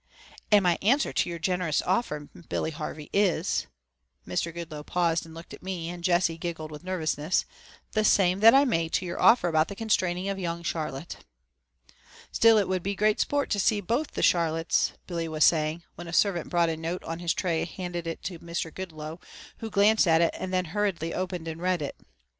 "And my answer to your generous offer, Billy Harvey, is " Mr. Goodloe paused and looked at me, and Jessie giggled with nervousness "the same that I made to your offer about the constraining of young Charlotte." "Still it would be great sport to see both the Charlottes " Billy was saying, when a servant brought a note on his tray and handed it to Mr. Goodloe, who glanced at it and then hurriedly opened and read it.